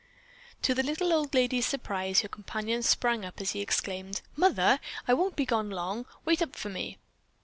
'" To the little old lady's surprise, her companion sprang up as he exclaimed: "Mother, I won't be gone long. Wait up for me!"